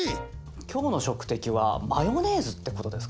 今日の食敵はマヨネーズってことですか？